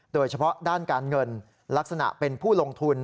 โดยเฉพาะด้านการเงินลักษณะเป็นผู้ลงทุน